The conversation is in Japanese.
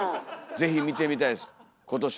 ぜひ見てみたいです。